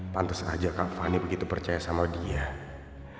pantes aja kak fanny begitu percaya sama fanny